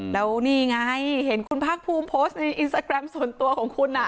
แล้วนี่ไงเห็นคุณภาคภูมิโพสต์ในอินสตาแกรมส่วนตัวของคุณ